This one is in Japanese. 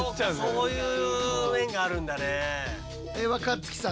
そういう面があるんだね。